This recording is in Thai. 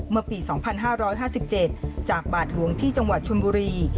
เมื่อปี๒๕๕๗จากบาทหลวงที่จังหวัดชนบุรี